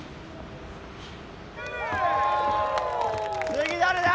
次、誰だ？